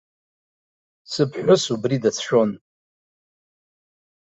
Сыԥҳәыс убри дацәшәон.